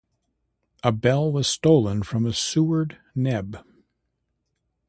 A bell was stolen from a Seward, Neb.